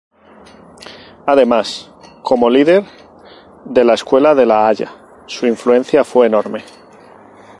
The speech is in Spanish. Además, como líder de la "Escuela de La Haya" su influencia fue enorme.